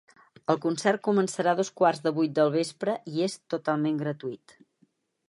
El concert començarà a dos quarts del vuit del vespre i és totalment gratuït.